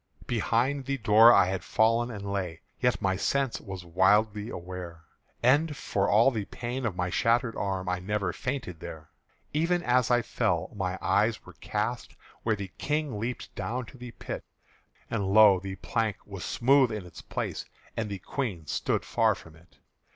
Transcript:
Behind the door I had fall'n and lay, Yet my sense was widely aware, And for all the pain of my shattered arm I never fainted there. Even as I fell, my eyes were cast Where the King leaped down to the pit; And lo! the plank was smooth in its place, And the Queen stood far from it.